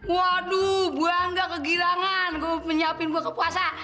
waduh gue gak kegirangan gue mau penyiapin buka puasa